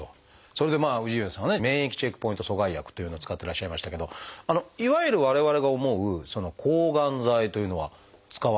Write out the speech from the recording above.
それで氏家さんはね免疫チェックポイント阻害薬というのを使ってらっしゃいましたけどいわゆる我々が思う抗がん剤というのは使わないということでしょうか？